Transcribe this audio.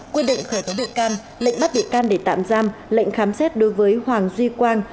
quyết định khởi tố bị can lệnh bắt bị can để tạm giam lệnh khám xét đối với hoàng duy quang